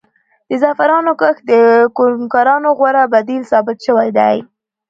د زعفرانو کښت د کوکنارو غوره بدیل ثابت شوی دی.